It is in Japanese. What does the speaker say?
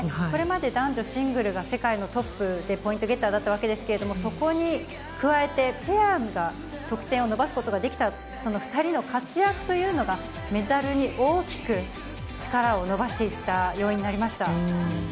これまで男女シングルが世界のトップでポイントゲッターだったわけですけれども、そこに加えて、ペアが得点を伸ばすことができた、その２人の活躍というのが、メダルに大きく力を伸ばしていった要因になりました。